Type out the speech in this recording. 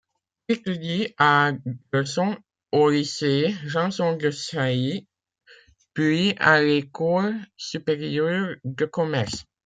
Il étudie à Gerson, au lycée Janson-de-Sailly, puis à l’École supérieure de commerce.